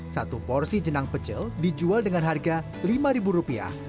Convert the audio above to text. satu porsi jenang pecel dijual dengan harga rp lima